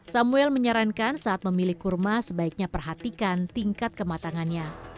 samuel menyarankan saat memilih kurma sebaiknya perhatikan tingkat kematangannya